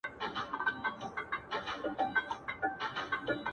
پېړۍ قرنونه کیږي-